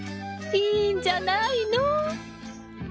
いいんじゃないの？